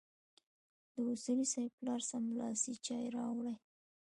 د اصولي صیب پلار سملاسي چای راوړې.